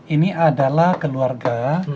ini adalah keluarga